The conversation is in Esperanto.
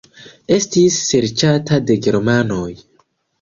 Estis serĉata de germanoj.